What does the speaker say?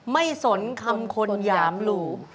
สนคำคนหยามหลู่